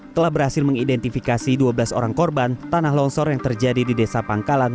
telah berhasil mengidentifikasi dua belas orang korban tanah longsor yang terjadi di desa pangkalan